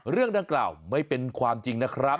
เรื่องดังกล่าวไม่เป็นความจริงนะครับ